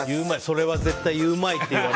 それは絶対言うまい。